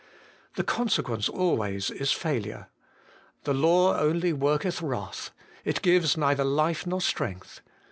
The consequence always is failure. The law only worketh wrath ; it gives neither life nor strength.